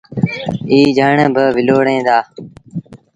ائيٚݩ جھڻ با ولوڙون دآ۔